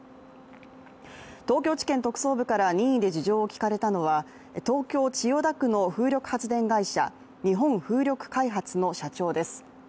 東京地検特捜部から任意で事情を聴かれたのは東京・千代田区の風力発電会社日本風力開発の社長です。